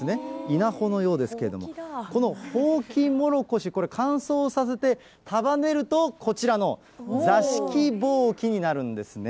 稲穂のようですけれども、このホウキモロコシ、これ、乾燥させて、束ねるとこちらの座敷ぼうきになるんですね。